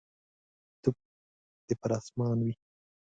توف دي پر اسمان وي.